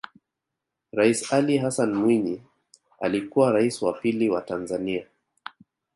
Rais Ali Hassan Mwinyi alikuwa Rais wa pili wa Tanzania